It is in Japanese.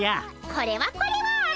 これはこれは。